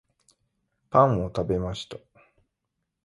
パンを食べました